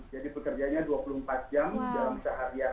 jadi bekerjanya dua puluh empat jam dalam seharian itu